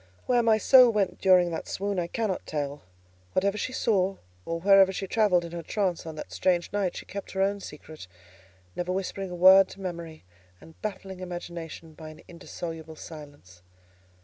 Where my soul went during that swoon I cannot tell. Whatever she saw, or wherever she travelled in her trance on that strange night she kept her own secret; never whispering a word to Memory, and baffling imagination by an indissoluble silence.